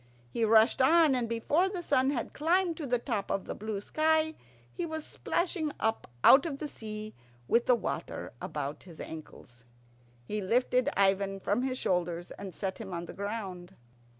He rushed on, and before the sun had climbed to the top of the blue sky he was splashing up out of the sea with the water about his ankles. He lifted Ivan from his shoulders and set him on the ground.